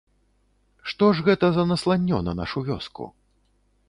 Што ж гэта за насланнё на нашу вёску?